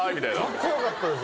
カッコ良かったです。